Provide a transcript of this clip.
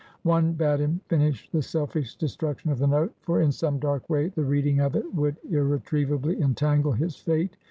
One bade him finish the selfish destruction of the note; for in some dark way the reading of it would irretrievably entangle his fate.